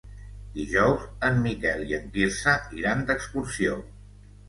Dijous en Miquel i en Quirze iran d'excursió.